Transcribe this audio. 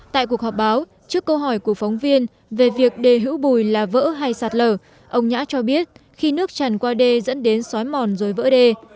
tại cuộc họp báo trước câu hỏi của phóng viên về việc đề hữu bùi là vỡ hay sạt lở ông nhã cho biết khi nước tràn qua đê dẫn đến xói mòn rồi vỡ đê